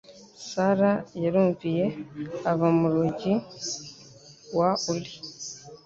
sara yarumviye ava mu mugi wa Uri,